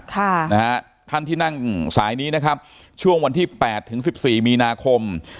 ท่านที่นั่งสายนี้นะครับช่วงวันที่๘ถึง๑๔มีนาคม